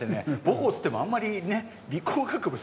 母校っつってもあんまりね理工学部